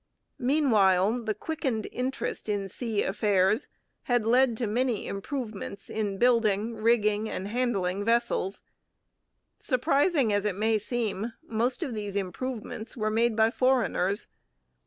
Meanwhile the quickened interest in 'sea affairs' had led to many improvements in building, rigging, and handling vessels. Surprising as it may seem, most of these improvements were made by foreigners.